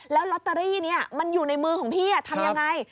แล้วลอตเตอรี่นี้มันอยู่ในมือของพี่ทำยังไง